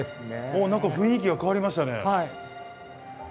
お何か雰囲気が変わりましたね。